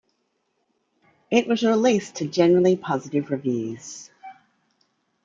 It was released to generally positive reviews.